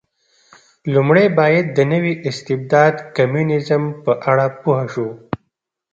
لومړی باید د نوي استبداد کمونېزم په اړه پوه شو.